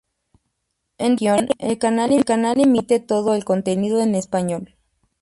En dicha región, el canal emite todo el contenido en español.